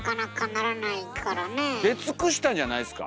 出尽くしたんじゃないですか？